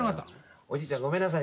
おじいちゃんごめんなさい。